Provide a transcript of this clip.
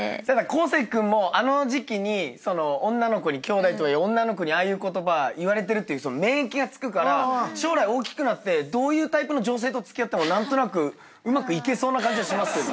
恒惺君もあの時期にきょうだいとはいえ女の子にああいう言葉言われてるって免疫がつくから将来大きくなってどういうタイプの女性と付き合っても何となくうまくいけそうな感じがしますけどね。